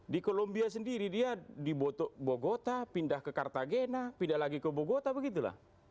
di kolombia sendiri dia di botok bogota pindah ke cartagena pindah lagi ke bogota begitulah